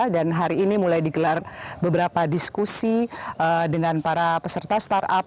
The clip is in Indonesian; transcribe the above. hari ini mulai digelar beberapa diskusi dengan para peserta startup